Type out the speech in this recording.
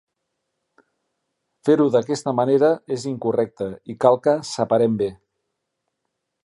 Fer-ho d'aquesta manera és incorrecte i cal que "separem bé".